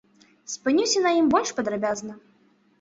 Спынюся на ім больш падрабязна.